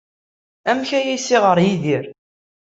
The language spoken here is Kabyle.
Amek ara as-iɣer Yidir?